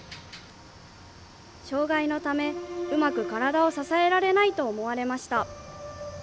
障害のためうまく体を支えられないと思われました。